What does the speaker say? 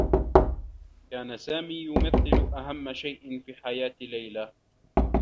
كان سامي يمثّل أهمّ شيء في حياة ليلى.